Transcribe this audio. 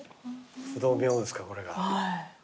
不動明王ですかこれが。